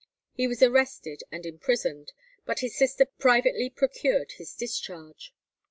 He was arrested and imprisoned, but his sister privately procured his discharge.